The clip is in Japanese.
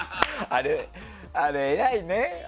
あれ、偉いね。